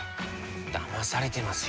だまされてますよ。